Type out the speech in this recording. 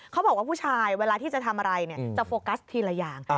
เขาบอกว่าผู้ชายเวลาที่จะทำอะไรจะโฟกัสทีละอย่าง